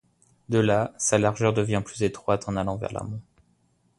De là, sa largeur devient plus étroite en allant vers l'amont.